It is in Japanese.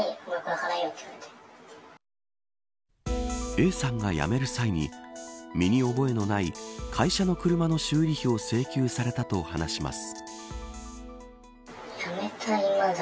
Ａさんが辞める際に身に覚えのない会社の車の修理費を請求されたと話します。